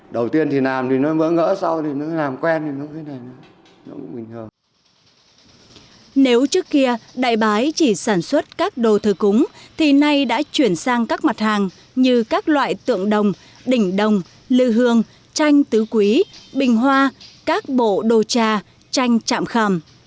đại bái chỉ sản xuất các đồ thư cúng thì nay đã chuyển sang các mặt hàng như các loại tượng đồng đỉnh đồng lư hương tranh tứ quý bình hoa các bộ đồ trà tranh chạm khầm